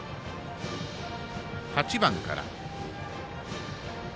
８番から。